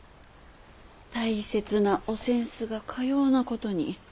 大切なお扇子がかようなことに。